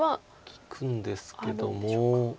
利くんですけども。